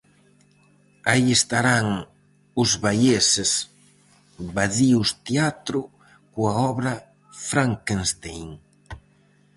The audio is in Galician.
Aí estarán os baieses Badius Teatro coa obra "Frankenstein".